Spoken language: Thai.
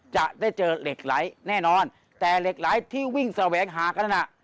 จะได้เจอเหล็กไหลแน่นอนแต่เหล็กไหลที่วิ่งแสวงหากันนั้นน่ะ